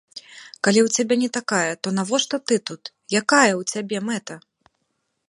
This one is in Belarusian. Калі ў цябе не такая, то навошта ты тут, якая ў цябе мэта?